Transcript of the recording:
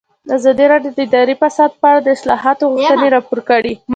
ازادي راډیو د اداري فساد په اړه د اصلاحاتو غوښتنې راپور کړې.